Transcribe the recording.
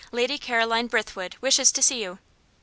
Lady Caroline Brithwood wishes to see you."